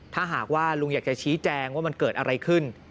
ถ้าหากว่าลุงอยากจะชี้แจงว่ามันเกิดอะไรขึ้น